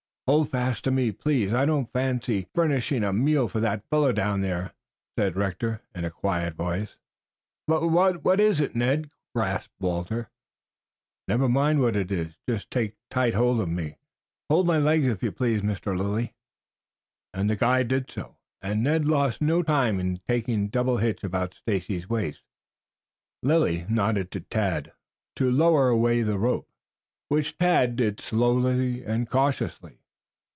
"Hold fast to me, please. I don't fancy furnishing a meal for that fellow down there," said Rector in a quiet voice. "What what is it, Ned?" gasped Walter. "Never mind what it is. Just take tight hold of me. Hold my legs, if you please, Mr. Lilly." The guide did so, and Ned lost no time in taking a double hitch about Stacy's waist. Lilly nodded to Tad to lower away on the rope, which Tad did slowly and cautiously.